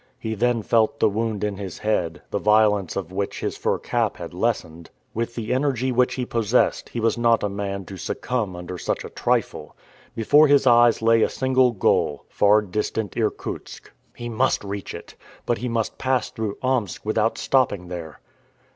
He then felt the wound in his head, the violence of which his fur cap had lessened. With the energy which he possessed, he was not a man to succumb under such a trifle. Before his eyes lay a single goal far distant Irkutsk. He must reach it! But he must pass through Omsk without stopping there.